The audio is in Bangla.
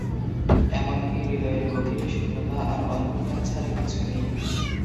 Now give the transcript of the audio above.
এমনকি হৃদয়ের গভীরে শূন্যতা আর অন্ধকার ছাড়া কিছু নেই।